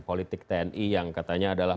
politik tni yang katanya adalah